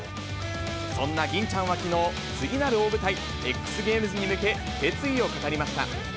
そんな吟ちゃんはきのう、次なる大舞台、ＸＧａｍｅｓに向け、決意を語りました。